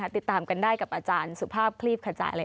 ติดตามกันได้กับอาจารย์สุภาพคลีบขจายเลยค่ะ